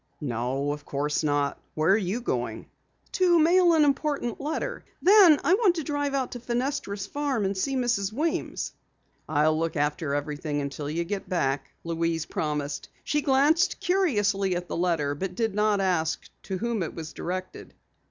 "No, of course not. Where are you going?" "To mail an important letter. Then I want to drive out to Fenestra's farm and see Mrs. Weems." "I'll look after everything until you get back," Louise promised. She glanced curiously at the letter but did not ask to whom it was directed.